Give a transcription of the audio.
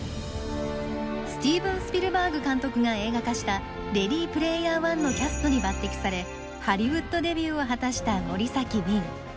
スティーブン・スピルバーグ監督が映画化した「レディ・プレイヤー１」のキャストに抜てきされハリウッドデビューを果たした森崎ウィン。